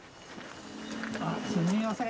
あっすみません。